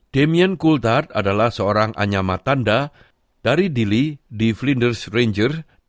damien coulthard adalah seorang anyama tanda dari dili di flinders ranger